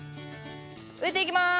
植えていきます。